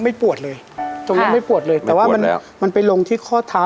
ไม่ปวดเลยตรงนี้ไม่ปวดเลยแต่ว่ามันมันไปลงที่ข้อเท้า